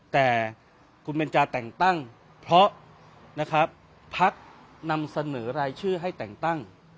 แต่คุณเบนจาแต่งตั้งเพราะนะครับพักนำเสนอรายชื่อให้แต่งตั้ง